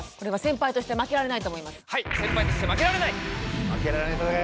父として負けられない。